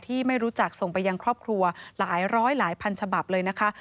ไม่รู้จักส่งไปยังครอบครัวหลายร้อยหลายพันฉบับเลยนะคะ